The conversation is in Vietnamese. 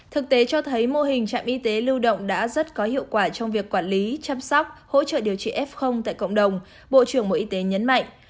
thực tế cho thấy mô hình trạm y tế lưu động đã rất có hiệu quả trong việc quản lý chăm sóc hỗ trợ điều trị f tại cộng đồng bộ trưởng bộ y tế nhấn mạnh